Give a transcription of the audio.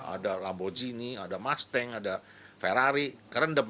ada lamborghini ada mustang ada ferrari kerendem